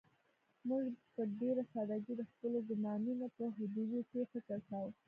موږ په ډېره سادهګۍ د خپلو ګومانونو په حدودو کې فکر کوو.